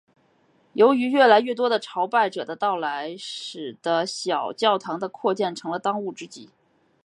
由于越来越多的朝拜者的到来使的小教堂的扩建成了当务之急。